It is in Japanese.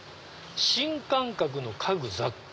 新感覚の家具・雑貨」。